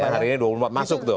hari ini dua puluh empat masuk tuh